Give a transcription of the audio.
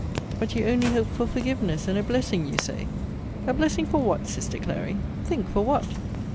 But you only hope for forgiveness and a blessing, you say. A blessing for what, sister Clary? Think for what!